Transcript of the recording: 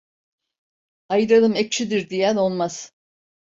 Ayranım ekşidir diyen olmaz.